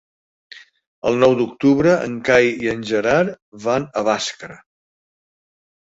El nou d'octubre en Cai i en Gerard van a Bàscara.